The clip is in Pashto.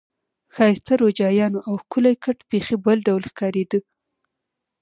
ښایسته روجایانو او ښکلي کټ بیخي بېل ډول ښکارېد.